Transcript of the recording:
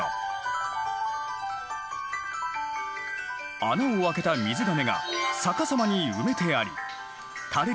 穴を開けた水がめが逆さまに埋めてありたれる